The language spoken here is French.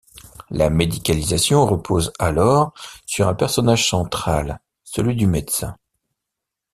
La médicalisation repose alors sur un personnage central, celui du médecin.